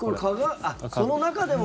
その中でも。